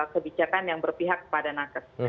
kebijakan yang berpihak pada nakes